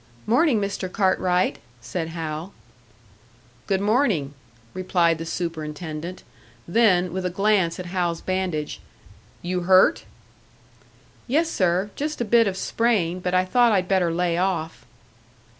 "Morning, Mr. Cartwright," said Hal. "Good morning," replied the superintendent; then, with a glance at Hal's bandage, "You hurt?" "Yes, sir. Just a bit of sprain, but I thought I'd better lay off."